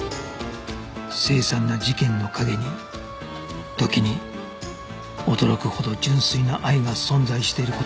凄惨な事件の陰に時に驚くほど純粋な愛が存在している事があります